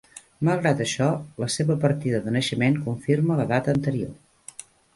Malgrat això, la seva partida de naixement confirma la data anterior.